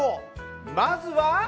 まずは。